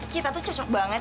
kita tuh cocok banget